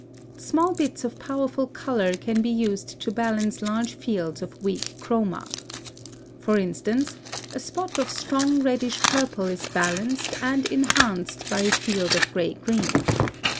+ (165) Small bits of powerful color can be used to balance large fields of weak chroma. For instance, a spot of strong reddish purple is balanced and enhanced by a field of gray green.